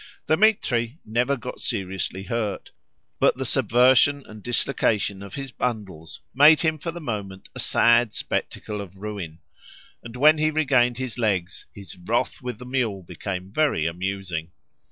Dthemetri never got seriously hurt, but the subversion and dislocation of his bundles made him for the moment a sad spectacle of ruin, and when he regained his legs, his wrath with the mule became very amusing.